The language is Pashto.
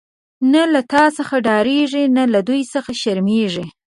نه له تا څخه ډاریږی، نه له دوی څخه شرمیږی